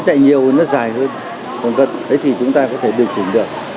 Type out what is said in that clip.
nếu chạy nhiều thì nó dài hơn còn gần thì chúng ta có thể điều chỉnh được